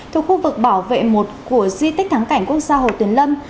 thuộc khu vực bảo vệ một của di tích thắng cảnh quốc gia hồ tuyền lâm